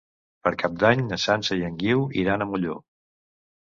Per Cap d'Any na Sança i en Guiu iran a Molló.